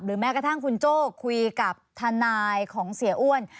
แม้กระทั่งคุณโจ้คุยกับทนายของเสียอ้วน